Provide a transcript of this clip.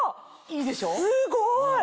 すごい！